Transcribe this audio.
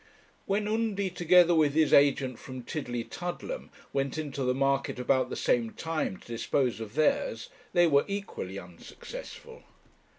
When Undy, together with his agent from Tillietudlem, went into the market about the same time to dispose of theirs, they were equally unsuccessful.